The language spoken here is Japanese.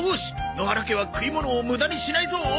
野原家は食い物を無駄にしないぞー！